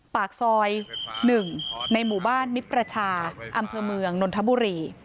ปากซอย๑ในหมู่บ้านมิตรประชาอำเภอเมืองนนทบุรี